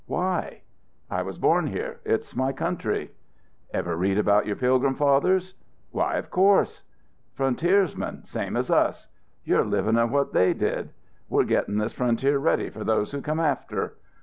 "Why?" "I was born here. It's my country." "Ever read about your Pilgrim Fathers?" "Why, of course." "Frontiersmen, same as us. You're living on what they did. We're getting this frontier ready for those who come after.